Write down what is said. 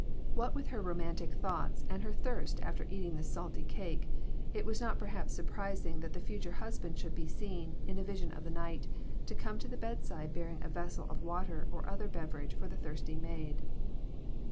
What with her romantic thoughts, and her thirst after eating this salty cake, it was not perhaps surprising that the future husband should be seen, in a vision of the night, to come to the bedside bearing a vessel of water or other beverage for the thirsty maid.